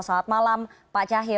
selamat malam pak cahayu